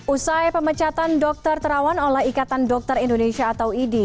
usai pemecatan dokter terawan oleh ikatan dokter indonesia atau idi